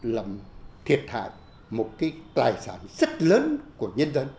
làm thiệt hại một cái tài sản rất lớn của nhân dân